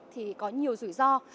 thì có nhiều rủi ro